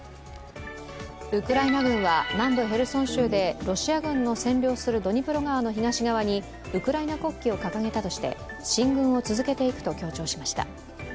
ウクライナ軍は南部ヘルソン州でロシア軍の占領するドニプロ川の東側にウクライナ国旗を掲げたとして進軍を続けていくと強調しました。